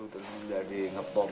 terus menjadi ngepok